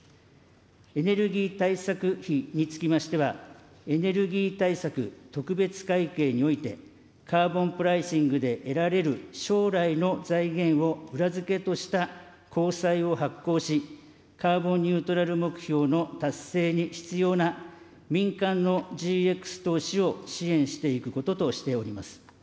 エネルギー対策費につきましては、エネルギー対策特別会計において、カーボンプライシングで得られる将来の財源を裏付けとした公債を発行し、カーボンニュートラル目標の達成に必要な民間のＧＸ投資を支援していくこととしております。